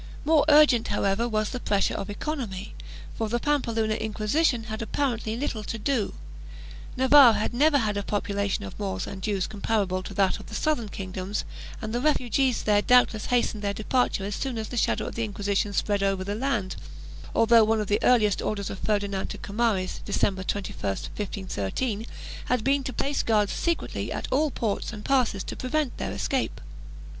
More urgent, however, was the pressure of economy, for the Pampeluna Inquisition had apparently little to do; Navarre had never had a population of Moors and Jews comparable to that of the southern kingdoms and the refugees there doubtless hastened their departure as soon as the shadow of the Inquisition spread over the land, although one of the earliest orders of Ferdinand to Comares, December 21, 1513, had been to place guards secretly at all ports and passes to prevent their escape.